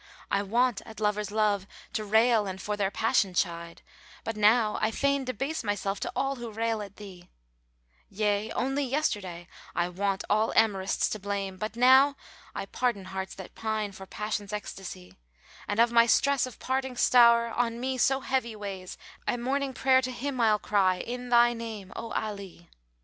I wont at lovers' love to rail and for their passion chide, * But now I fain debase myself to all who rail at thee: Yea, only yesterday I wont all amourists to blame * But now I pardon hearts that pine for passion's ecstasy; And of my stress of parting stowre on me so heavy weighs * At morning prayer to Him I'll cry, 'In thy name, O Ali!'"